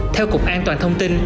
theo cục an toàn thông tin